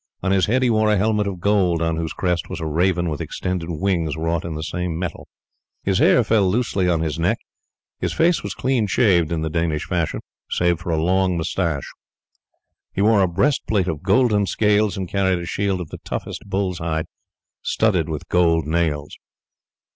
On his head he wore a helmet of gold, on whose crest was a raven with extended wings wrought in the same metal. His hair fell loosely on his neck; his face was clean shaved in Danish fashion, save for a long moustache. He wore a breastplate of golden scales, and carried a shield of the toughest bull's hide studded with gold nails.